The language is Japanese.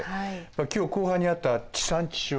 今日後半にあった地産地消。